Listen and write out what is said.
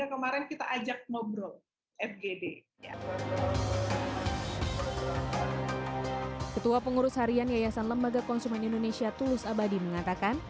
ketua pengurus harian yayasan lembaga konsumen indonesia tulus abadi mengatakan